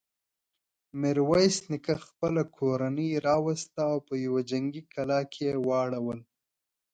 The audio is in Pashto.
ميرويس نيکه خپله کورنۍ راوسته او په يوه جنګي کلا کې يې واړول.